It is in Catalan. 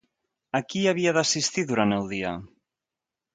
A qui havia d'assistir durant el dia?